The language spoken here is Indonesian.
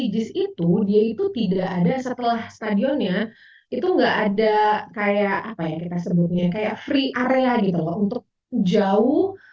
jis itu tidak ada setelah stadionnya itu tidak ada free area untuk jauh